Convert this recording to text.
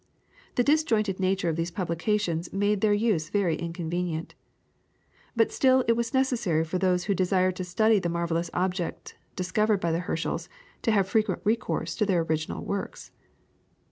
The disjointed nature of these publications made their use very inconvenient. But still it was necessary for those who desired to study the marvellous objects discovered by the Herschels, to have frequent recourse to the original works.